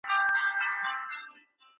همدا خاموشي یې قوت دی.